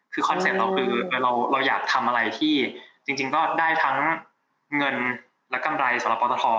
คือคอนเซ็ปต์เราคือเราอยากทำอะไรที่จริงก็ได้ทั้งเงินและกำไรสำหรับปตท